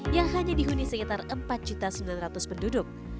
yang hanya dihuni sekitar empat sembilan ratus penduduk